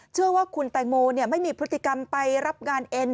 เชื่อว่าคุณแตงโมไม่มีพฤติกรรมไปรับงานเอ็น